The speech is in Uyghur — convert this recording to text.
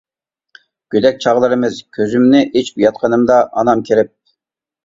گۆدەك چاغلىرىمىز، كۆزۈمنى ئېچىپ ياتقىنىمدا ئانام كىرىپ.